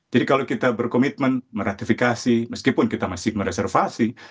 jadi kalau kita berkomitmen meratifikasi meskipun kita masih mereservasi